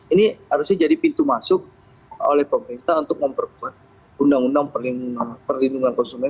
ini harusnya jadi pintu masuk oleh pemerintah untuk memperkuat undang undang perlindungan konsumen